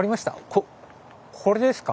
ここれですか？